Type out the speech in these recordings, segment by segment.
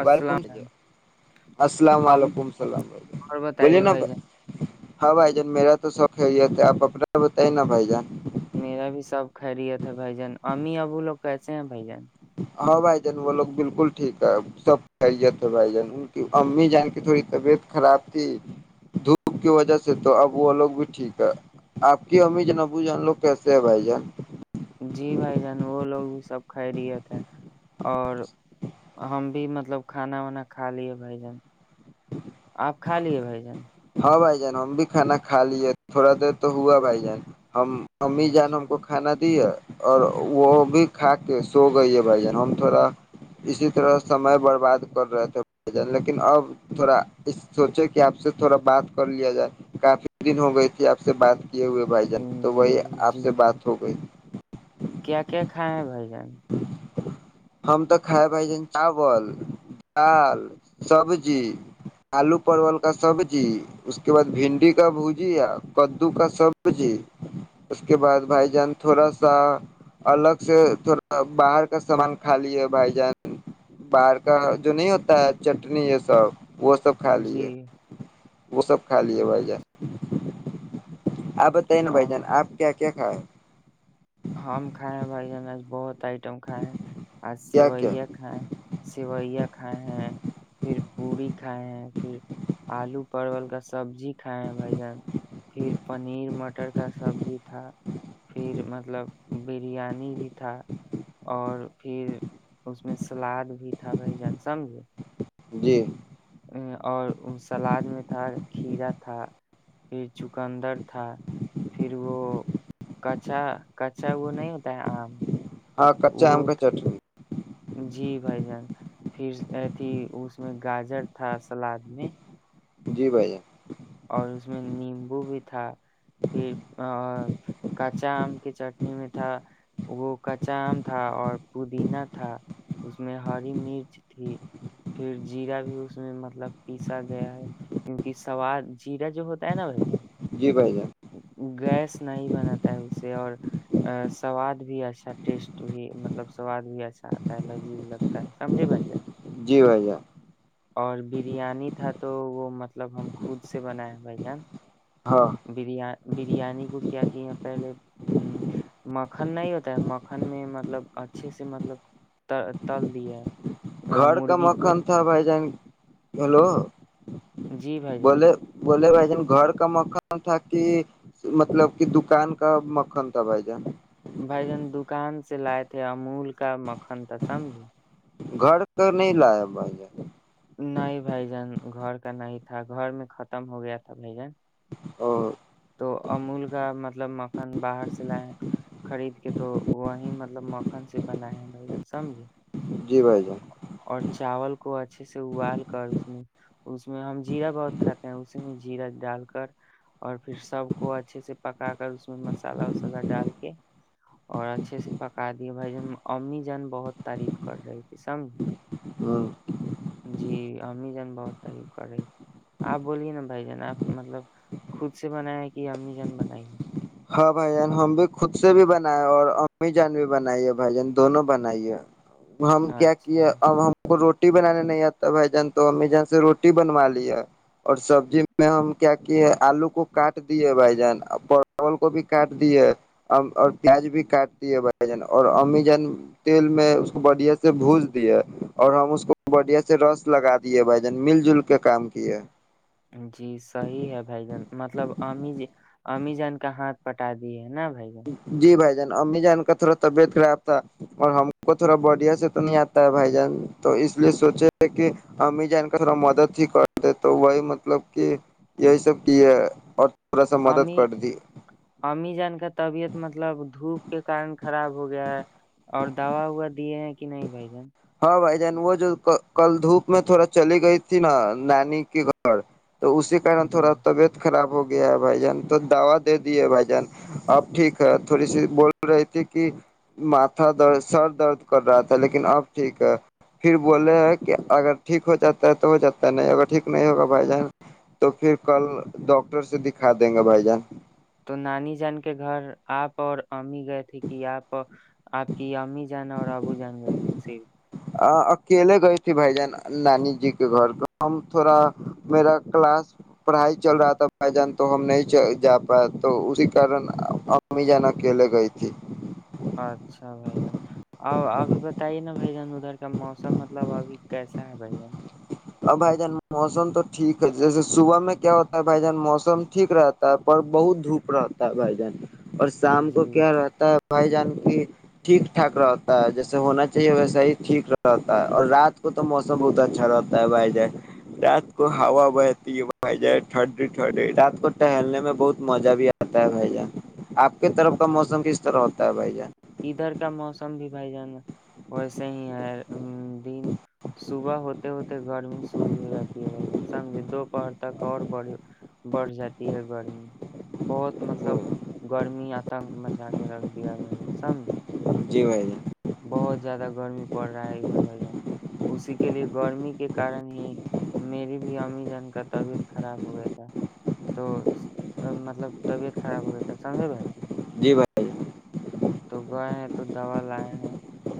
السلام وعلیکم جان، السلام ہم علیکم السلام یکم اور بولیے بتائیے نا بھائی جان ہاں بھائی جان میرا تو شوق ہے یہ تھا آپ اپنا بتائییں نا بھائی جان میرا بھی سب خیریت ہے بھ جن امی ابو لوگ کیسے ہیں بھ جن ہاں بھائی جان وہ لوگ بالکل ٹھیک ہے سب خیریت ہے بھائی جان ان کی امی جان کی تھوڑی طبیعت خراب تھی دھوپ کی وجہ سے تو اب وہ لوگ بھی ٹھیک ہے آپ کی امی جن ابو جان لوگ کیسے ہے بھائی جان جی بھائی جان وہ لوگ بھی سب کھ رہیے تھے اور ہم بھی مطلب کھانا وانا کھا لیے بھائی جان آپ کھا لیے بھائی جان بھ ج ہم بھی کھانا کا لیے تھوڑا دیر تو ہوا بھائی جان ہم امی جان اچھا ہم کو کھانا اور وہ بھی کھا کے سو گئی ہے بھائی جان ہم تھوڑا اسی طرح سمے برباد کر رہے تھے بھائی ج لیکن اب تھوڑا اس سوچے کہ آپ سے تھوڑا بات کر لیا جائے کافی دن ہو گئی تھی آپ سے بات یہ ہوئے بھائی جان تو بائی جی آپ جی سے بھائی بات ہو گئی کیا کیا کھائے ہیں بھائی جان ہم تو کھائے بھائی جان چاول دال سبزی آلو پرول کا سبزی اس کے بعد بھنڈی کا بھجیا کدو کا سبزی اس کے بعد بھائی جان تھوڑا سا الگ سے تھوڑا باہر کا سامان خالی ہے بھائی جان باہر کا جو نہیں ہوتا ہے چٹنی یہ سب وہ سب کھا جی لیے وہ سب کھا لیے بھائی ج آپ بتائیے نا بھائی اچھا جان آپ کیا کیا کائے ہم کھائے ہیں بھائی جان آج بہت آئٹم کھائے ہیں آ کیا کیا سیوئیا کھائے سیوئیا کھائے ہیں پھر پوڑی کھائے ہیں پھر آلو پرول کا سبزی کھائے ہیں بھائی جان پھر پنیر مٹر کا سبزی تھا پھر م مطلب بریانی بھی تھا اور پھر اس میں سلاد بھی تھا بھائی جان سمجھ جی اور سلاد میں تھا کھیرا تھا پھر چقندر تھا پھر وہ کچا کچا وہ نہیں ہوتا ہے آم ہاں کچا آم وہ کا چٹنی [unintelligible] جی بھائی جان پھر ا تھی اس میں گاجر تھا سلاد میں جی بھائی جان اور اس میں نیمبو بھی تھا پھر کچا آم کی چٹنی میں تھا وہ کچام تھا اور پودینہ تھا اس میں ہری مرچ تھی پھر جیرا بھی اس میں مطلب پیسا گیا ہے کیونکہ سواد چیرا جو ہوتا ہے نا بھائی جی بھائی جان گیس نہیں بناتا ہے اسے اور سواد بھی اچھا ٹیسٹ بھی مطلب سواد بھی اچھا آتا ہے لذیذ لگتا ت سمجے بھائیے [inaudible] جی بھائی جان اور بریانی تھا تو وہ مطلب ہم خود سے بناائے بھائی جان ہاں بری بریانی کو کیا کیا یہ پہلے مکھن نہیں ہوتا ہے مکھن میں مطلب اچھے سے مطلب تل دی ہے گھر کا مرغی کو مکھن تھا بھائی جان ہیلو جی بھائی جان بولے بولے بھائی ن گھر کا مکھان تھا کہ مطلب کہ دکان کا مکھان تھا بھائی جان بھائی جان دکان سے لائے تھے امول کا مکھن تھا سمج گھر کر نہیں لایا بھائی ج نہیں بھائی جان گھر کا نہیں تھا گھر میں ختم ہو گیا تھا بھائی جان اور تو امول کا مطلب مکھن باہر سے لائے خرید کے تو وہی مطلب م دکان سے بنا ہے ہیں سمجھے جی بھائی جان اور چاول کو اچھے سے ابال کر اس میں اس میں ہم جیرا بہت کھاتے ہیں اس میں جیرا ڈال کر کر اور پھر سب کو اچھے سے پکا کر اس میں مسالہ وسالہ ڈال کے اور اچھے سے پکا د بھ جن امی جان بہت تعف کر رہی اسسم [inaudible] امی جان بہت تعریف کر رہی آپ بولیے نا بھائی جان آپ مطلب خود سے بنایا کہ امی جان بنائی ہاں بھائی جان ہم بھی خود سے بھی بنائے اور امی جان بھی بنائیے بھائی جن دونوں بنائیے ہم ہے؟ کیا کیے اچھا اب ہم کو روٹی روٹی بنانے نہیں آتا بائی جان تومی سے روٹی بنوا لی چاول کو بھی کاٹ دیے اور پیاز بھی کاٹ دیے بھائی جان اور امی جن تیل میں اس کو بڑھیا سے بھج دیے اور ہم اس کو بڑھیا سے رس لگا دیے بھائی جان مل جل کے کام کیے جی صحیح ہے بھائی جان مطلب امی امی جان کا ہاتھ پٹا دی ہے نا بھائی جان جی بھائی ج امی جان کا تھوڑا طبیعت خراب تھا اور ہم کو تھوڑا بڑھیا سے تو نہیں آتا ہے بھائی جان تو اس لیے سوچے کہ امی جان کا تھوڑا مدد ہی کرتے تو وہی مطلب کہ یہی سب کیے اور تھورا سا مدد امی کرد امی جان طبیعت مطلب دھوپ کے کار خراب ہو گیا ہے اور دوا وا دی ہیں کہ نہیں بائی جان ہ بھائی جان وہ جو کل دھوپ میں تھوڑا چلی گئی تھی نا نانی کے گھر تو اسیارن جی تھوڑا طبیعت خراب ہوگا گیا بھائی جان تو دوا دے دیے بھائی جان اب ٹھیک ہے تھوڑی سی بول رہی تھی کہ ماتھا درد سر درد کر رہا تھا لیکن اب ٹھیک ہے پھر بولے کہ اگر ٹھیک ہو جاتا ہے تو ہو جاتا ہے نہیں ہو ٹھیک نہیں ہوگا بھائی جان تو پھر کل ڈاکٹر سے دکھا دیں گے بھائی جان تو نانی جان کے گھر آپ اور ہمام ہی گئے تھے کہ آپ آپ کی امی جانا اور ابو جان گے کیس اکیلے گئے تھی بھائی جان نانی جی کے گھر تو ہم تھوڑا میرا کلاس پڑھائی چل رہا تھا بھائی جان تو ہم نہیں جا پاائے تو اسی کارن امی جان اکیلے گئی تھی اچھا بھائی ا ابھی بتائیے نا بھ جان ادھر کا موسم مطلب ابھی کیسا ہے بھ ا بھائی جان موسم تو ٹھیک ہے جیسے صبح میں کیا ہوتا ہے بھائی جان موسم ٹھیک رہتا ہے پر بہت دھوپ رہتا ہے بھائی جان اور شام کو جی کیا رہتا بھائی جان کی ٹھیک ٹھاک رہتا ہے جیسے ہونا چاہیے ویسا ہی ٹھیک رہتا ہے اور رات کو تو موسم بہت اچھا رہتا بھائی جان رات کو ہوا بہتی ہے بھائی ج ٹھڈی ٹڈی رات کو ٹہلنے میں بہت مزہ بھی آتا ہے بھائی جان آپ کی طرف کا موسم ہاں کس طرح ہوتا ہے بھائی ج ادھر کا موسم بھی بھائی جان ویسے ہی ہے دن صبح ہوتے ہوتے گرمی شروع ہو جاتی ہے ویہ سے سمجے دوپہر تک اور ب بڑھ جاتی ہے گرمی بہت مطلب گرمی تنک مسا کے رکھ دیا بھائی سمج جی بھائی جی بہت زیادہ گرمی پڑ رہا ہے ادھر بھائی جان اسی کے لیے گرمی کے کارن ہی میری بھی امی جان کا طبیعت خراب ہو گیا تھا تو مطلب طبیعت خراب ہو گیا تھا سمجھے بھائی جان [unintelligible] تو گئے ہیں تو دوا لائے ہیں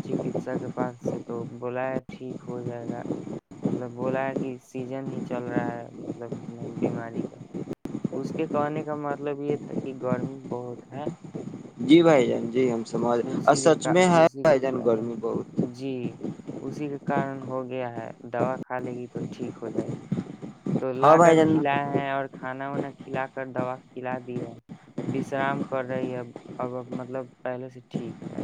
چکسا کے پاس سے تو بولایا ٹھیک ہو جائے گا مطلب بولا ہے کہ سیزن ہی چل رہا ہے مطلب بیماری کا اس کے کہنے کا مطلب یہ تھا کہ گرمی بہت ہے جی بھائی ج اسی کے کا اسی کے بھائی جان کارن گرمی بہت جی اسی کے کارن ہو گیا ہے دوا کھا لے گی تو ٹھیک ہو جائے گی تو ہاں لا بھائی کر جان کھلائے ہیں اور کھانا وانا کھلا کر دوا کھلا دی ہےشرام کر رہی ہے اب مطلب پہلے سے ٹھیک ہے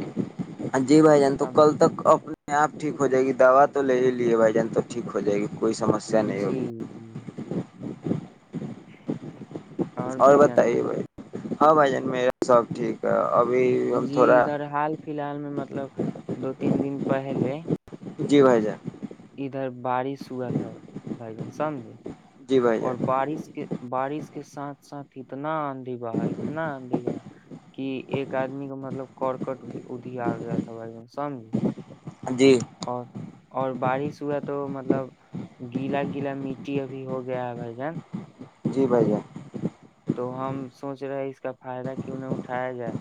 جی بائی جان تو کل سمجھ تک نہیں آپ ٹھیک ہو جائے گی دوا تو لے ہی لیے بھائی جان تو ٹھیک ہو جائے گی کوئی سمسیا نہیں جی ہوی جی اور بھائی جان بتائیے بھائی ہاں بھائی جان میرا سب ٹھیک ہے ابھی ہم جی تھوڑا ادھر حال فی الحال میں مطلب دو تین دن پہلے جی بھائی جان ادھر بارش ہوا تھا بھائی جان سمجھے جی بھائی اور جان بارش کے بارش اس کے ساتھ ساتھ اتنا دیوا اتنا دیوا کہ ایک آدمی کا مطلب کرکٹ ادھی آ گیا تھا بھائی جان سمج جی اور اور بارش ہوا تو مط مطلب گیلا گیلا مٹی ابھی ہو گیا ہے بھائی جن جی بھائ جان تو ہم سوچ رہے ہیں اس کا فائدہ کی انہیں اٹھایا جائے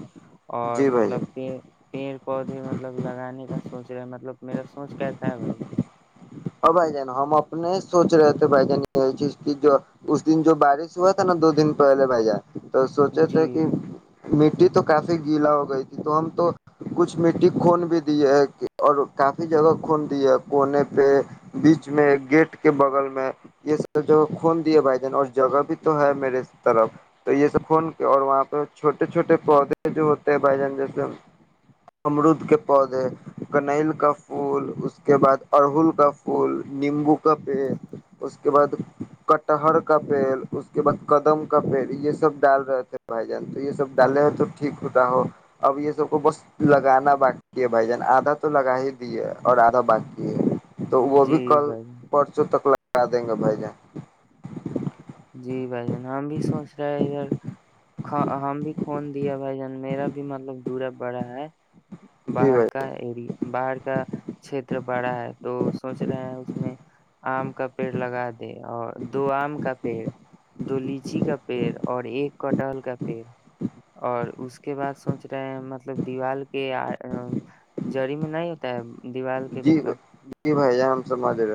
اور جی بھائی مطلب جان کہ پیڑ پودے مطلب لگانے کا سوچ رہے مطلب میرا سونچ کیسا ہے بھائی جان اور بھائی جان ہم اپنے سوچ رہے تھے بھائی جان یہ چیز کی جو اس دن جو بارش ہوا تھا نا دو دن پہلے بھائی جان تو سونچے جی تھے کہ مٹی تو کافی گیلا ہو گئی تھی تو ہم تو کچھ مٹی کھون بھی دی ہے اور کافی جگہ خون دی ہے کونے پہ بیچ میں گیٹ کے بغل میں یہ سب جو کھون دیے بھائی جان اور جگہ بھی تو ہے میرے طرف تو یہ سب کھون کے اور وہاں پہ چھوٹے چھوٹے پودے جو ہوتے ہیں بھائی جان جیسے امرود کے پودے کنل کا پھول اس کے بعد ارہل کا پھول نیمبو کا پیڑ اس کے بعد کٹہر کا پیڑ اس کے بعد قدم کا پیڑ یہ سب ڈال رہے تھے بھائی جان تو یہ سب ڈالے ہو تو ٹھیک ہوتاا ہو اب یہ سب کو بس لگانا باقی ہے بھائی جان آدھا تو لگا ہی دی ہے اور آدھا باقی ہے تو وہ جی بھی کل بھائی جان پرچوں تک ل کر دیں گے بھائی جان جی بھائی جان ہم بھی سوچ فون دیا ب جان میرا بھی مطلب دورا بڑا ہے جی باہر بھائی کا اری باہر کا چھیتر بڑا ہے تو سوچ رہے ہیں اس میں آم کا پیڑ لگا دے اور دو آم کا دو لیچی کا پیڑ اور ایک کٹہل کا پیڑ اور اس اس کے بع سوچ رہے ہیں مطلب دیوال کے جڑی میں نہیں ہوتا ہے دیوال کے جی مطلب جی بھائی جان ہم سمجھ رہے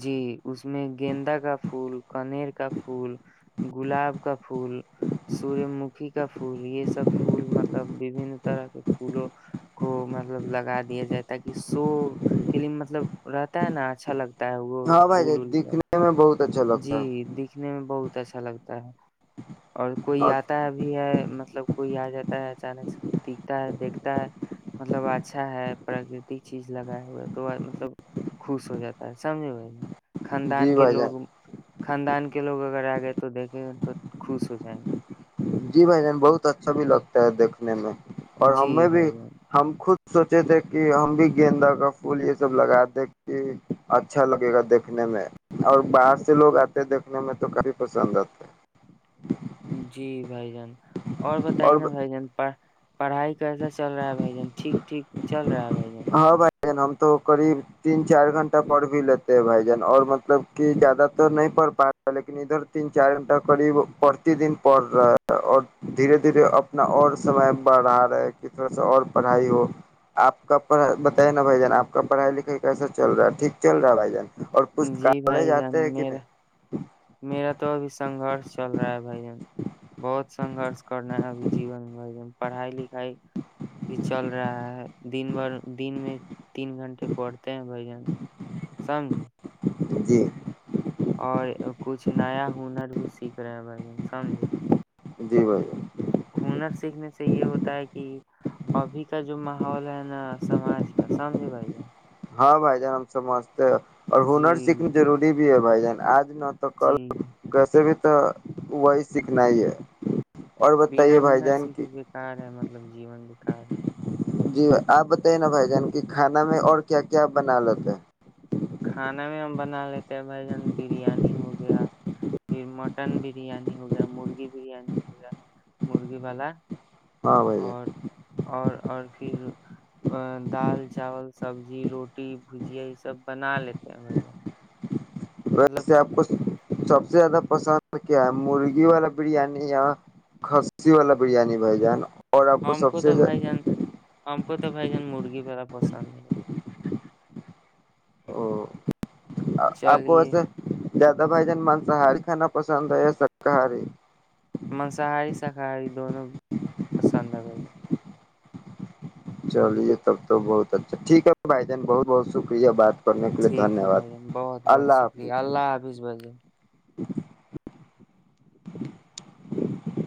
جی اس میں گیندا کا پھول کنیر پول گلاب کا پھول سور مکھی کا پھول یہ سب پھول مطلب ببن طرح کے پھولوں کو مطلب لگا دیا جائے تاکہ سو کے لیے مطلب رہتا ہے نا اچھا لگتا ہے وہ ہاں بھائی پھول جائی وول کا۔ دیککھنے میں بہت اچھا لگتا ہے جی دکھنے میں بہت اچھا لگتا ہے اور کوئی آتا ہے بھی ہے مطلب کوئی آ جاتا ہے اچانک سے دکھتا ہے دیکھتا مطلب اچھا ہے پراکرتک چیز لگائے ہوئے تو مطلب خوش ہو جاتا ہے سمجھے ب ن خاندان جی کے بھائی جان لوگ خاندان کے لوگ اگر آ گئے تو دیکھیں گے تو خوش ہو جائیں گے جی بھ ج بہت اچھا بھی لگتا ہے دیکھ اور جی ہمیں بھی بھائی جان ہم خود سوچے تھے کہ ہم بھی گیندا کا پھول یہ سب لگا دیں کہ اچھا لگے گا دیکھنے میں اور باہر سے لوگ آتے دیکھنے میں تو کافی پسند آتے جی بھائی جان اور بتائی نا بھائی جان پ پڑھائی کیسا چل رہا ہے بھائی جان ٹھیک ٹھیک چل رہا ہے بھائی جن ن ہم تو قیب تین چار گھنٹہ پڑھ بھی لیتے ہیں بھائی جن اور مطلب کی زیادہ ت نہیں پڑھ پا رہے لیکن ادھر تین چار گھنٹہ قریب پرتی دن پڑھ رہا ہے اور دھیرے دھیرے اپنا اور سمے بڑھا رہے تھوڑا سا اور پڑھائی ہو آپ کا پڑھائی بتائی نا بھائی جان آپ کا پڑھائی لکھائی کیسا چل رہا ہے ٹھیک چل رہا ہے بھائی جان اور جی پستکالے بھائی جان جاتے ہیں کہ میرا نہیں میرا تو ابھی سنگرش چل رہا ہے بھائی جان بہت سنگرش کرنا ہے ابھی جیون میں بھ ج پڑھائی ل ھائی بھی چل رہا ہے دن بھر دن میں تین گھنٹے پڑتے ہیں بھائی جان سمجھ جی اور کچھ نیا ہنر بھی سیکھ رہے ہیں بھائی جن سمجے جی بھائی ہنر سیکھنے سے یہ ہوتا ہے کہ ابھی کا جو ماحول ہے نا سماج کا سمجھے بھائی جان ہاں بھ جان ہم سے مست اور ہنر جی سیکھنا ضروری بھی ہے بھائی جان آج [unintelligible] نہ تک کل جی کیسے بھی تو تو تو وہی سیککھنا ہے اور بنا بتائیے بھائی ہنر س جان کے کی بےکار ہے مطلب مطلب جین بکار جی آپ بتائیے نا بھائی جان کی کھانا میں اور کیا کیا بنا لیتے ہیں کھانا میں ہم بنا لیتے ہیں بھائی جان بریانی ہو گیا پھر مٹن بریانی ہو گیا مرغی بریانی ہو گیا مرغی والا ہاں بھائی اور جان اور اور پھر ا دال چاول سبزی روٹی بھجیا یہ سب بنا لیتے ہیں بھیا ویسے آپ کو سب سے زیادہ پسند کیا ہے مرغی والا بریانی یا کسی والا بریانی بائی جائے نا ہم کو تو بھائی جان ہم کو تو بھائی جان مرغی ا پسند او آپ کو چلیے ویسے دادا بھائی جن مان س ہاری کانا پسند ہے شاکاہاری مانساہاری شاکاری دونوں پسند ہے چلیے تب تو بہت اچھا ٹھیک ہے بھائی جان بہت بہت شکریہ بات کرنے کے لیے ٹھیک دھنیہ ہے بھائی واد جان بہت بہت اللہ شکریہ حافظ اللہ حافظ بھائیے [inaudible]